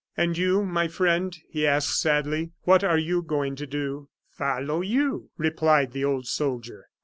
"And you, my friend," he asked, sadly, "what are you going to do?" "Follow you," replied the old soldier.